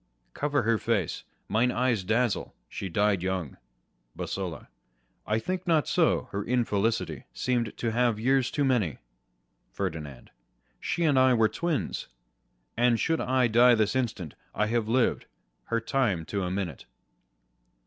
Cover her face : mine eyes dazzle ; she died young. Bosola. I think not so : her infelicity Seem'd to have years too many. Ferdinand. She and I were twins : And should I die this instant, I had lived Her time to a minute.